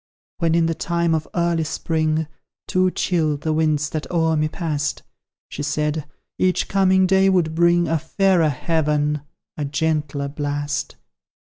"When, in the time of early Spring, Too chill the winds that o'er me pass'd, She said, each coming day would bring a fairer heaven, a gentler blast.